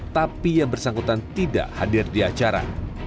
tapi yang bersangkutan tidak hadir di acara